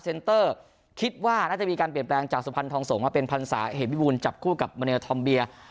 เตอร์คิดว่าน่าจะมีการเปลี่ยนแปลงจากสุพรรณทองสงฆ์มาเป็นพันศาเหมวิบูลจับคู่กับเมลทอมเบีย